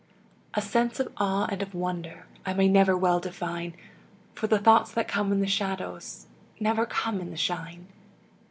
A sense of awe and of wonder I may never well define, For the thoughts that come in the shadows Never come in the shine.